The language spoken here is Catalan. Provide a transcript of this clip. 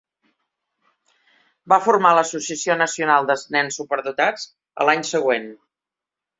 Va formar l'associació nacional de nens superdotats a l'any següent.